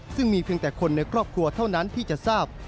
ซึ่งมีเพียงแต่คนในครอบครัวเท่านั้นที่จะทราบ